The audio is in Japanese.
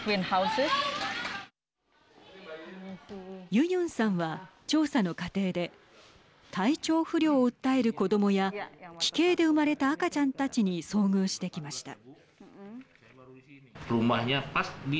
ユユンさんは、調査の過程で体調不良を訴える子どもや奇形で生まれた赤ちゃんたちに遭遇してきました。